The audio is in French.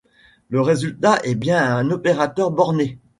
Le résultat est bien un opérateur borné.